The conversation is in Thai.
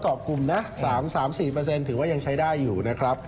รอบกลุ่มนะ๓๔ถือว่ายังใช้ได้อยู่นะครับ